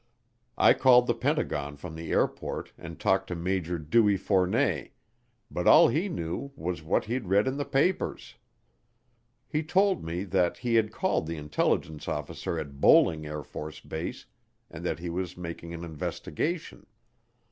I called the Pentagon from the airport and talked to Major Dewey Fournet, but all he knew was what he'd read in the papers. He told me that he had called the intelligence officer at Bolling AFB and that he was making an investigation.